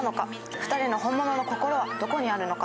２人の本物の心はどこにあるのか。